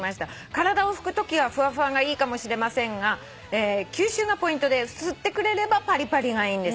体を拭くときはフワフワがいいかもしれませんが吸収がポイントで吸ってくれればパリパリがいいんです」